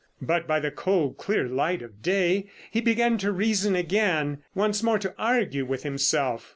But by the cold, clear light of day he began to reason again, once more to argue with himself.